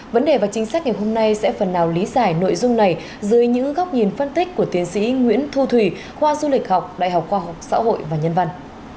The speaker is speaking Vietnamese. vấn đề và chính sách ngày hôm nay sẽ phần nào lý giải nội dung này dưới những góc nhìn phân tích của tiến sĩ nguyễn thu thủy khoa du lịch học đại học khoa học xã hội và nhân văn